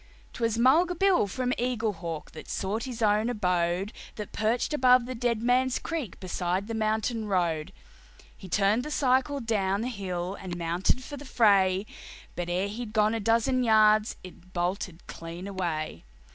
'Twas Mulga Bill, from Eaglehawk, that sought his own abode, That perched above the Dead Man's Creek, beside the mountain road. He turned the cycle down the hill and mounted for the fray, But ere he'd gone a dozen yards it bolted clean away.